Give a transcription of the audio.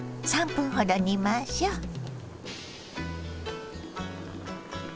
３分ほど煮ましょう。